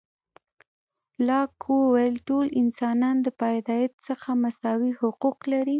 لاک وویل، ټول انسانان د پیدایښت څخه مساوي حقوق لري.